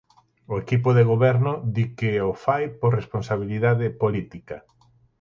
O equipo de goberno di que o fai por responsabilidade política.